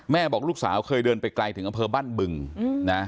บอกลูกสาวเคยเดินไปไกลถึงอำเภอบ้านบึงนะ